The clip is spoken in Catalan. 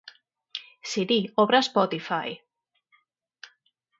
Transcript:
Siri, obre Spotify.